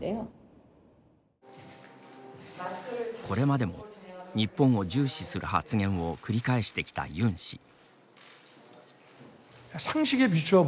これまでも、日本を重視する発言を繰り返してきたユン氏。